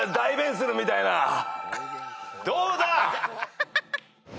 どうだ？